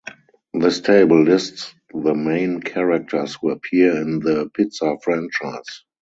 This table lists the main characters who appear in the pizza Franchise.